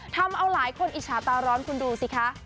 ทำเอาหลายคนอิจฉาตาร้อนคุณดูสิคะ